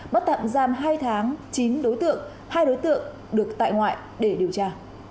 bắt tạm giam hai tháng chín đối tượng hai đối tượng được tại ngoại để điều tra